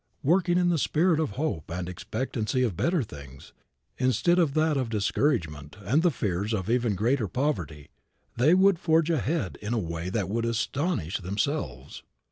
Working in the spirit of hope and expectancy of better things instead of that of discouragement and the fears of even greater poverty, they would forge ahead in a way that would astonish themselves.